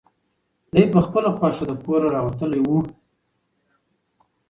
دی په خپله خوښه له کوره راوتلی و.